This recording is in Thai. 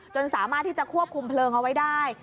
สามารถที่จะควบคุมเพลิงเอาไว้ได้